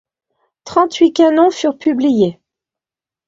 Trente-huit canons furent publiés.